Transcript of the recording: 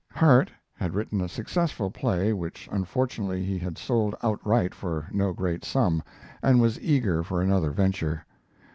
Harte had written a successful play which unfortunately he had sold outright for no great sum, and was eager for another venture.